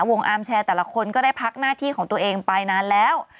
อาร์มแชร์แต่ละคนก็ได้พักหน้าที่ของตัวเองไปนานแล้ว